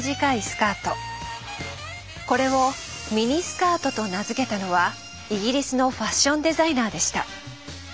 これを「ミニスカート」と名付けたのはイギリスのファッションデザイナーでした。